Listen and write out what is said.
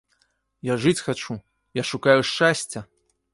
Я жыць хачу, я шукаю шчасця!